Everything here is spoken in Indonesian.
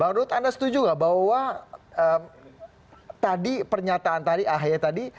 pak arut anda setuju nggak bahwa pernyataan tadi ahaya tadi